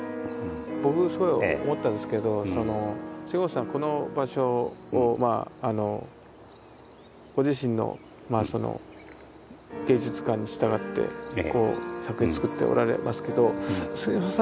僕すごい思ったんですけど杉本さんはこの場所をご自身のその芸術観に従って作品を作っておられますけど杉本さん